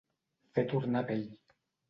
Fer tornar vell.